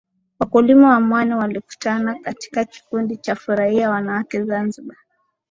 Wakulima wa mwani walikuatan katika kikundi cha Furahia Wanawake Zanzibar